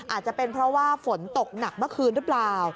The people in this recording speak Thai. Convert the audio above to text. อาจจะเป็นเพราะว่าฝนตกหนักเมื่อคืนหรือเปล่า